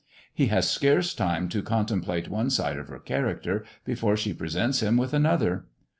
He has scarce time to con template one side of her character before she presents him with another.